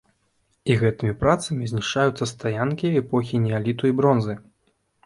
І гэтымі працамі знішчаюцца стаянкі эпохі неаліту і бронзы!